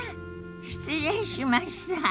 失礼しました。